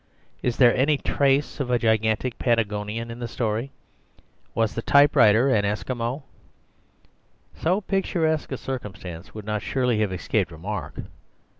Is there any trace of a gigantic Patagonian in the story? Was the typewriter an Eskimo? So picturesque a circumstance would not surely have escaped remark.